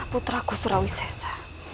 putraku surawi sesa